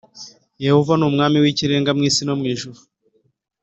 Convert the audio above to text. Yehova nuMwami wIkirenga mwisi no mwijuru